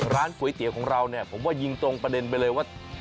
ร้านก๋วยเตี๋ยวของเราเนี่ยผมว่ายิงตรงประเด็นไปเลยว่า